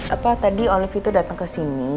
apa tadi olivia itu datang kesini